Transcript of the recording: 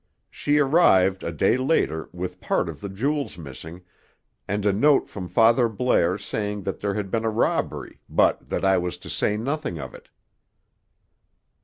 She arrived, a day later, with part of the jewels missing, and a note from Father Blair saying that there had been a robbery, but that I was to say nothing of it."